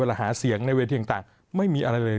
เวลาหาเสียงในเวทย์อย่างต่างไม่มีอะไรเลย